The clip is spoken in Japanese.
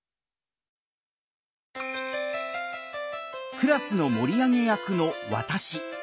クラスの盛り上げ役の「わたし」。